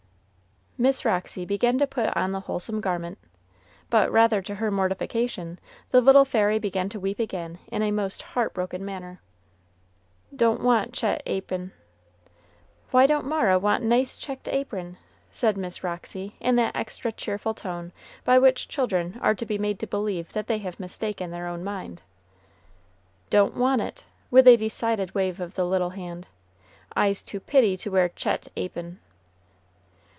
Miss Roxy began to put on the wholesome garment; but, rather to her mortification, the little fairy began to weep again in a most heart broken manner. "Don't want che't apon." "Why don't Mara want nice checked apron?" said Miss Roxy, in that extra cheerful tone by which children are to be made to believe they have mistaken their own mind. "Don't want it!" with a decided wave of the little hand; "I's too pitty to wear che't apon."